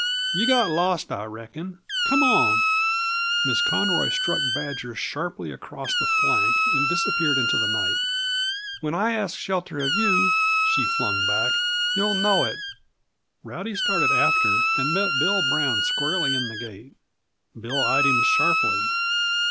You got lost, I reckon. Come on " Miss Conroy struck Badger sharply across the flank and disappeared into the night. "When I ask shelter of you," she flung back, "you'll know it." Rowdy started after, and met Bill Brown squarely in the gate. Bill eyed him sharply.